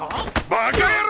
バカ野郎！